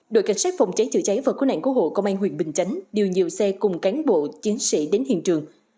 đội cảnh sát phòng cháy chữa cháy và cứu nạn cố hộ công an huyện bình chánh điều nhiều xe cùng cán bộ chiến sĩ đến hiện trường